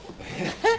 えっ？